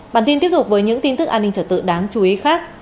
bản tin tiếp tục với những tin tức an ninh trở tự đáng chú ý khác